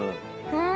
うん！